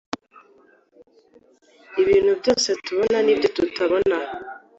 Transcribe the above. ibintu byose tubona n’ibyo tutabona,